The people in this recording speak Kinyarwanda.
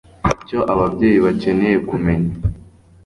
ICYO ABABYEYI BAKENEYE KUMENYA